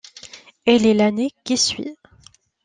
Elle est l’année qui suit.